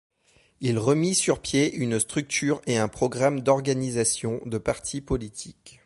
Il remit sur pied une structure et un programme d'organisation de parti politique.